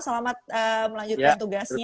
selamat melanjutkan tugasnya